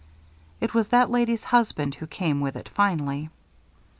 It was that lady's husband who came with it finally.